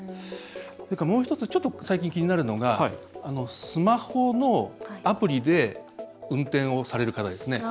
それから、もう１つちょっと最近、気になるのがスマホのアプリで運転をされる方ですね。